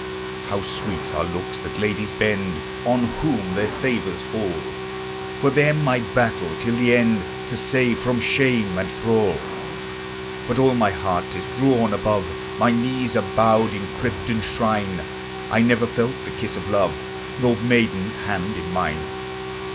How sweet are looks that ladies bend On whom their favors fall! For them I battle till the end, To save from shame and thrall: But all my heart is drawn above, My knees are bowed in crypt and shrine: I never felt the kiss of love, Nor maiden's hand in mine.